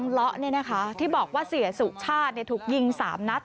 ว่าเสียสุขชาติถูกยิง๓นัด